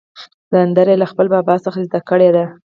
سندره یې له خپل بابا څخه زده کړې ده.